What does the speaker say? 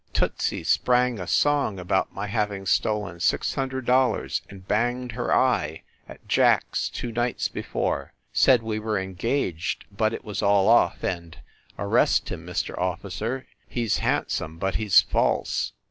Tootsy sprang a song about my hav ing stolen six hundred dollars and banged her eye at Jack s two nights before, said we were engaged, but it was all off, and "Arrest him, Mr. Officer, he s handsome, but he s false!"